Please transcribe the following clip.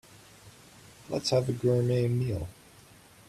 Let's have a Gourmet meal.